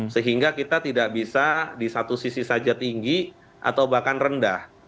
sehingga kita tidak bisa di satu sisi saja tinggi atau bahkan rendah